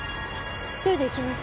１人で行きます。